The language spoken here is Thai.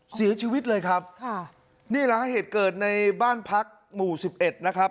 เสียชีวิตเลยครับค่ะนี่แหละฮะเหตุเกิดในบ้านพักหมู่สิบเอ็ดนะครับ